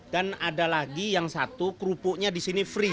dan ada lagi yang satu kerupuknya disini free